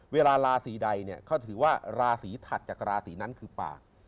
เวลาราศีใดเนี่ยเขาถือว่าราศีถัดจากราศีนั้นคือป่า